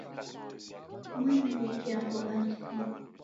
Mwaniw'ikia mbogha ndini.